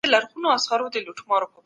د بشپړتيا قانون په ټولنه واکمن دی.